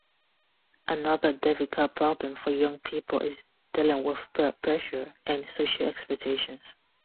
Another difficult problem for young people is dealing with peer pressure and social expectations.